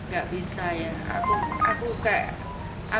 ya saya sampaikan kan tidak bisa ya